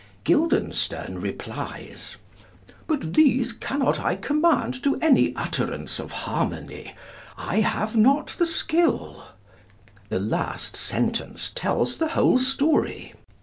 Guildenstern replies: 'But these cannot I command to any utterance of harmony; I have not the skill.' The last sentence tells the whole story.